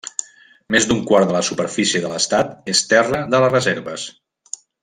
Més d'un quart de la superfície de l'estat és terra de les reserves.